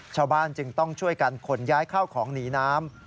ชาวบ้านจึงต้องช่วยกันขนย้ายข้าวของหนีน้ำ